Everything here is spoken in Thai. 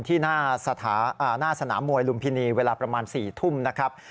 ที่หน้าสนามมวยลุมพินีเวลาประมาณ๔ทุ่มนะครับ